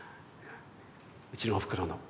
うちのおふくろの。